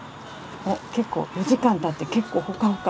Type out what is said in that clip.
お結構４時間たって結構ほかほか。